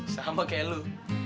sama kayak lu